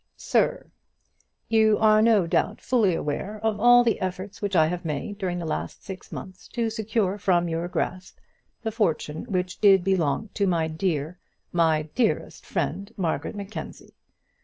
SIR, You are no doubt fully aware of all the efforts which I have made during the last six months to secure from your grasp the fortune which did belong to my dear my dearest friend, Margaret Mackenzie.